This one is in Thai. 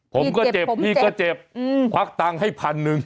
ผมก็เจ็บพี่ก็เจ็บควักตังค์ให้พันหนึ่ง